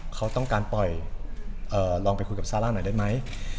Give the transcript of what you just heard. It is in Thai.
เขาต้องการปล่อยลองไปคุยกับซาร่าหน่อยได้ไหม